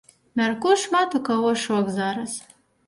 Мяркую, шмат у каго шок зараз.